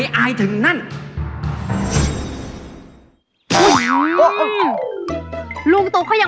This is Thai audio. แบบนี้ก็ได้